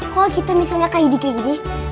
kalau kita misalnya kayak gini